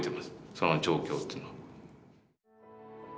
その状況というのは。